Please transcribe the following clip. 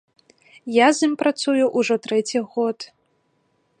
Я з ім працую ўжо трэці год.